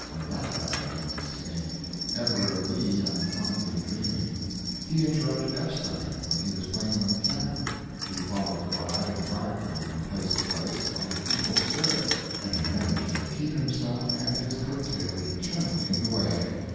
when that baritone was singing, "Ever of thee I'm fondly dreaming"; he interrupted Epstein when he was playing on the piano; he followed the bride and bridegroom from place to place, like an evil spirit, and he managed to keep himself and his coat tail eternally in the way.